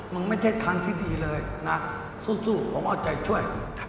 ไม่ใช่ทางที่ดีเลยนะสู้ผมเอาใจช่วย